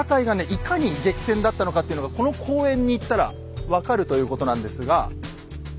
いかに激戦だったのかっていうのがこの公園に行ったら分かるということなんですが。